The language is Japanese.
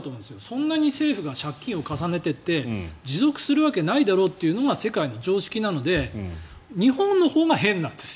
そんなに政府が借金を重ねていって持続するわけないだろうというのが世界の常識なので日本のほうが変なんですよ。